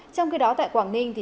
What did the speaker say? trong khi đó tại quảng ninh